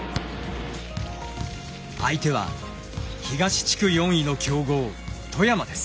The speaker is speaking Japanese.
相手は東地区４位の強豪富山です。